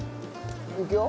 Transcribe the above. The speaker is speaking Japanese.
いくよ。